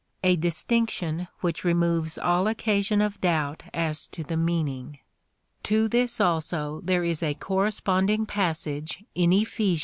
20, — a distinction which removes all occasion of doubt as to the meaning. To this also there is a corresponding passage in Ephes.